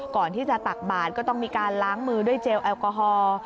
ตักบาดก็ต้องมีการล้างมือด้วยเจลแอลกอฮอล์